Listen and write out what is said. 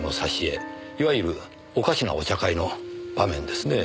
いわゆるおかしなお茶会の場面ですねぇ。